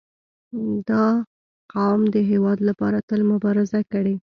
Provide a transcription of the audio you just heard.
• دا قوم د هېواد لپاره تل مبارزه کړې.